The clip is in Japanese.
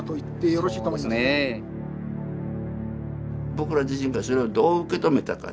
僕ら自身がそれをどう受け止めたか。